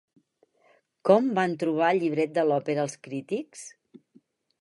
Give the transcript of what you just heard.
Com van trobar el llibret de l'òpera els crítics?